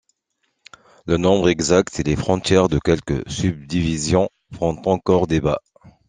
Le nombre exact et les frontières de quelques subdivisions font encore débat.